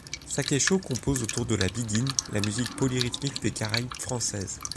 Sakésho compose autour de la biguine, la musique polyrythmique des Caraïbes françaises.